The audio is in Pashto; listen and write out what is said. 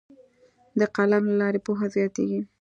د قلم له لارې پوهه زیاتیږي.